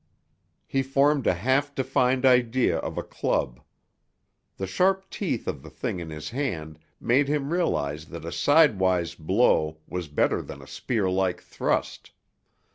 He formed a half defined idea of a club. The sharp teeth of the thing in his hand made him realize that a sidewise blow was better than a spearlike thrust.